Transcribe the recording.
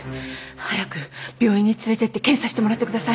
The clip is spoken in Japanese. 早く病院に連れてって検査してもらってください。